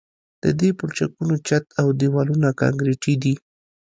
د دې پلچکونو چت او دیوالونه کانکریټي دي